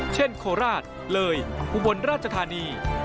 เช่นโคราชเหลยอุบลราชธานี